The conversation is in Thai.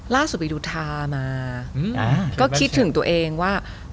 ไปดูทามาก็คิดถึงตัวเองว่า